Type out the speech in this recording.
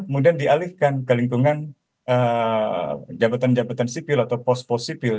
kemudian dialihkan ke lingkungan jabatan jabatan sipil atau pos pos sipil